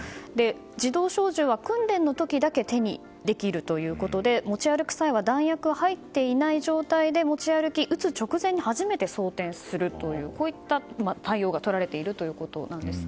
自動小銃は訓練の時だけ手にできるということで持ち歩く際は弾薬が入っていない状態で持ち歩き、撃つ直前に初めて装填するという対応が取られているということです。